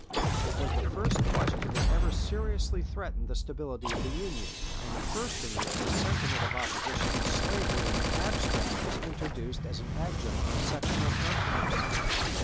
It was the first question that ever seriously threatened the stability of the Union, and the first in which the sentiment of opposition to slavery in the abstract was introduced as an adjunct of sectional controversy.